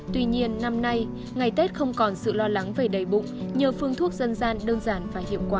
tuy nhiên năm nay ngày tết không còn sự lo lắng về đầy bụng nhờ phun thuốc dân gian đơn giản và hiệu quả